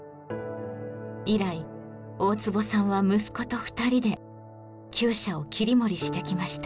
以来大坪さんは息子と２人できゅう舎を切り盛りしてきました。